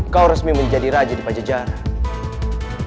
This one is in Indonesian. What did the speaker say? kau resmi menjadi raja di pajajaran